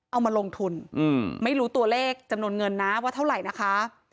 เอามาลงทุนไม่รู้ตัวเลขจำนวนเงินนะว่าเท่าไหร่นะคะ